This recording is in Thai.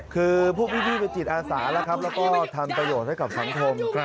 คือพวกพี่เป็นจิตอาสาแล้วครับแล้วก็ทำประโยชน์ให้กับสังคม